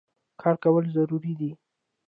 کار کول ضروري دی.